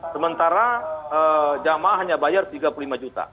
sementara jamaah hanya bayar tiga puluh lima juta